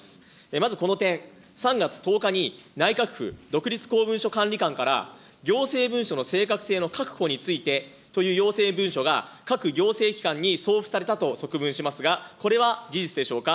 まずこの点、３月１０日に内閣府独立公文書管理監から、行政文書の正確性の確保について、という要請文書が各行政機関に送付されたとそくぶんしますが、これは事実でしょうか。